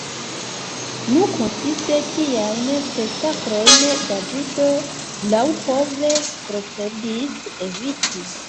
Nu koncize, tiajn spektaklojn Davido laŭpove klopodis eviti.